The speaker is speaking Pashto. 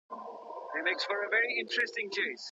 ولي محنتي ځوان د پوه سړي په پرتله برخلیک بدلوي؟